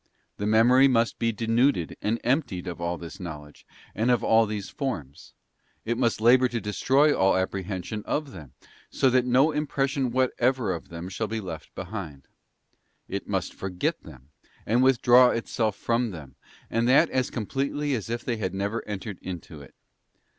The Memory must be denuded and emptied of all this knowledge and of all these forms; it must labour to destroy all apprehension of them, so that no impression whatever of them shall be left behind ; it must forget them, and withdraw itself from them, and that as completely as if they had never entered into it.